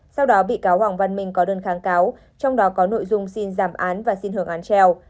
sau đó bị cáo hoàng văn minh có đơn kháng cáo trong đó có nội dung xin giảm án và xin hưởng án treo